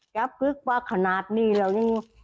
แก๊บกรึ๊กบ้าขนาดนี้เรายัง